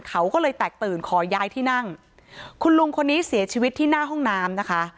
เขาก็เลยแตกตื่นขอย้ายที่นั่งคุณลุงคนนี้เสียชีวิตที่หน้าห้องน้ำนะคะ